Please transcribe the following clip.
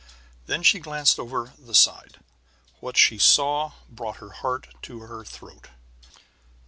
Then she glanced over the side. What she saw brought her heart to her throat.